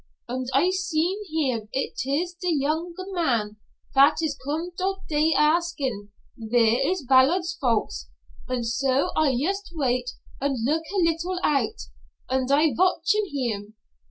Und I seen heem it iss der young man vat iss come dot day askin' vere iss Ballards' folks, und so I yust wait und look a little out, und I vatchin' heem.